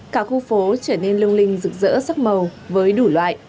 cả khu phố trở nên lung linh rực rỡ sắc màu với đủ loại